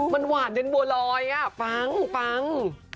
มันหวานเป็นบัวลอยอ่ะฟังฟัง